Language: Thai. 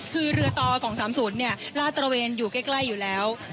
คือเรือต่อ๒๓๐ลาดตระเวนอยู่ใกล้อยู่แล้ว